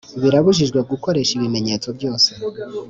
Birabujijwe gukoresha ibimenyetso byose